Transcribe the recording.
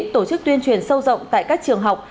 tổ chức tuyên truyền sâu rộng tại các trường học